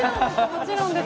もちろんです。